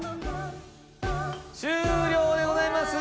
終了でございます！